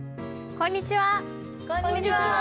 こんにちは！